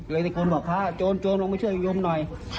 เลยในกรณ์บอกฮะโจรลงมาช่วยโยมหน่อย